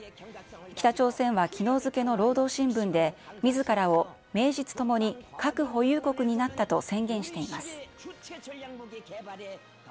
北朝鮮はきのう付けの労働新聞で、みずからを名実ともに核保有国になったと宣言しています。